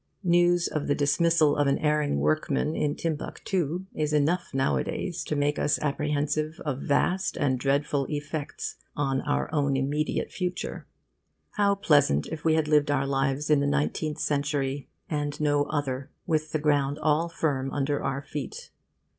News of the dismissal of an erring workman in Timbuctoo is enough nowadays to make us apprehensive of vast and dreadful effects on our own immediate future. How pleasant if we had lived our lives in the nineteenth century and no other, with the ground all firm under our feet!